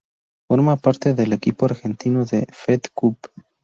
Forma parte del Equipo argentino de Fed Cup.